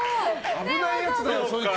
危ないやつだよ、そいつ。